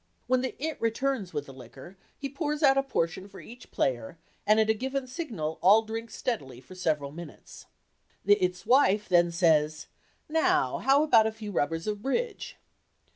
When the "It" returns with the liquor he pours out a portion for each player and at a given signal all drink steadily for several minutes. The "It's" wife then says, "Now—how about a few rubbers of bridge?"